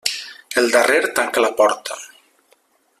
El darrer tanca la porta.